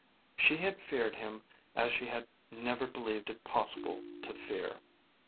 She had feared him as she had never believed it possible to fear.